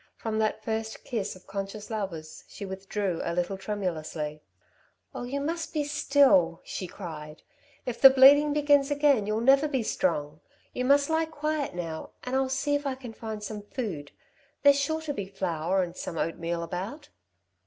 From that first kiss of conscious lovers she withdrew a little tremulously. "Oh, you must be still," she cried. "If the bleeding begins again you'll never be strong. You must lie quiet now, and I'll see if I can find some food. There's sure to be flour and some oatmeal about."